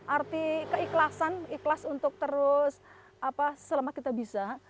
arti keikhlasan ikhlas untuk terus selama kita bisa